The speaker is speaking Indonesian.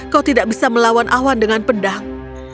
kau tidak bisa melawan awan dengan pedang